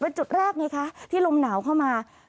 เป็นจุดแรกไงคะที่ลมหนาวเข้ามา